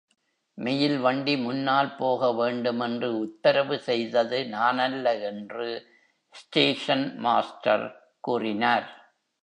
Mail வண்டி முன்னால் போக வேண்டும் என்று உத்தரவு செய்தது நானல்ல என்று ஸ்டேஷன் மாஸ்டர் கூறினார்.